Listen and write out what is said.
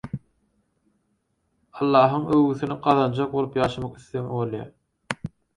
Allahyň öwgüsini gazanjak bolup ýaşamak islegiň bolýa